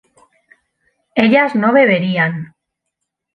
ellas no beberían